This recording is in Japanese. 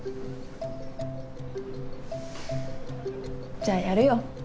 じゃあやるよ。